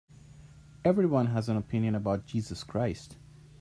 Everyone has an opinion about Jesus Christ.